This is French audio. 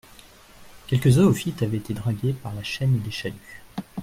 Quelques zoophytes avaient été dragués par la chaîne des chaluts.